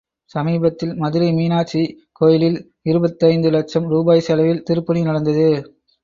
சமீபத்தில் மதுரை மீனாக்ஷி கோயிலில் இருபத்தி ஐந்து லக்ஷம் ரூபாய் செலவில் திருப்பணி நடந்தது.